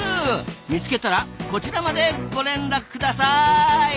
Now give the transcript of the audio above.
見つけたらこちらまでご連絡ください。